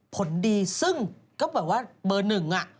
ผลดีซึ่งก็แบบว่าเบอร์หนึ่งอ่ะ